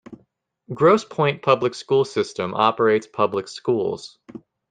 Grosse Pointe Public School System operates public schools.